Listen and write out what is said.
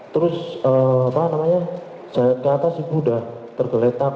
terus ke atas ibu udah tergeletak